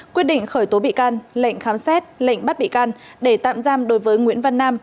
quyết định khởi tố bị can lệnh khám xét lệnh bắt bị can để tạm giam đối với nguyễn văn nam